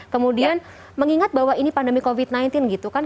kemudian mengingat bahwa ini pandemi covid sembilan belas gitu kan